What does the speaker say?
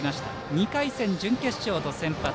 ２回戦、準決勝と先発。